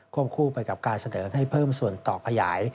คู่ไปกับการเสนอให้เพิ่มส่วนต่อขยาย